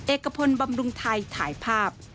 เอกพลบำรุงไทยถ่ายภาพ